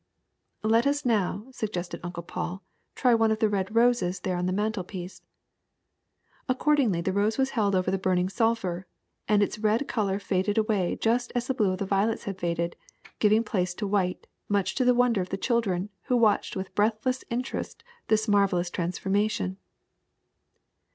^^ Let us now, '' suggested Uncle Paul, *^ try one of the red roses there on the mantelpiece." Accordingly the rose was held over the burning sulphur, and its red color faded away just as the blue of the violets had faded, giving place to white, much to the wonder of the children, who watched with breathless interest this marvelous transforma tion.